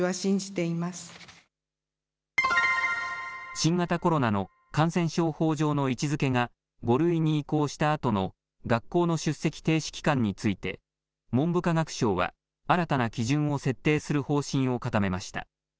新型コロナの感染症法上の位置づけが５類に移行したあとの学校の出席停止期間について文部科学省は新たな基準を設定する方針を固めました。